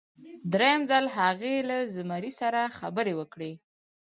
دریم ځل هغې له زمري سره خبرې وکړې.